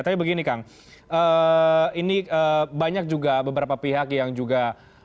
tapi begini kang ini banyak juga beberapa pihak yang juga